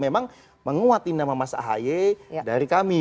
memang menguat ini nama mas ahi dari kami